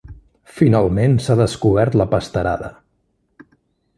Finalment s'ha descobert la pasterada.